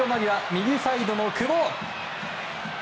右サイドの久保。